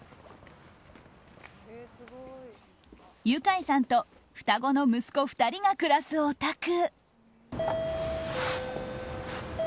ユカイさんと双子の息子２人が暮らすお宅。